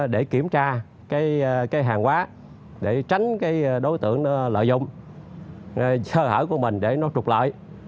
để kiểm tra cái hàng hóa để tránh cái đối tượng lợi dụng sơ hở của mình để nó trục lợi